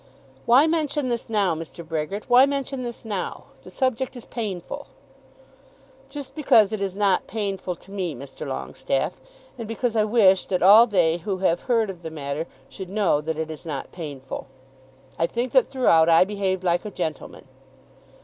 "Why mention this now, Mr. Brehgert; why mention this now? The subject is painful." "Just because it is not painful to me, Mr. Longestaffe; and because I wish that all they who have heard of the matter should know that it is not painful. I think that throughout I behaved like a gentleman."